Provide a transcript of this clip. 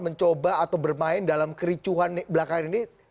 mencoba atau bermain dalam kericuhan belakang ini